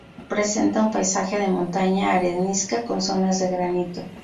Presenta un paisaje de montaña arenisca con zonas de granito.